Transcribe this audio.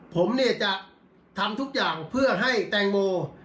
ผมเนี่ยจะทำทุกอย่างเพื่อให้แตงโม